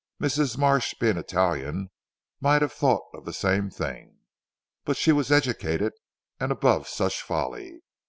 Mrs. Marsh being Italian might have thought of the same thing. But she was educated, and above such folly.